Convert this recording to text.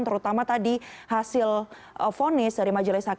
terutama tadi hasil fonis dari majelis hakim